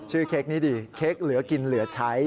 เค้กนี้ดิเค้กเหลือกินเหลือใช้